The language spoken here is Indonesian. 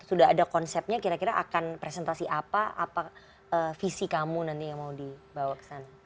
sudah ada konsepnya kira kira akan presentasi apa apa visi kamu nanti yang mau dibawa ke sana